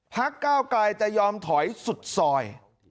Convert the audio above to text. พักเก้าไกรจะยอมถอยสุดซอย